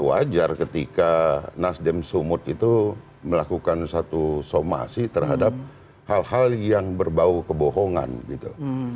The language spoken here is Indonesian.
wajar ketika nasdem sumut itu melakukan satu somasi terhadap hal hal yang berbau kebohongan gitu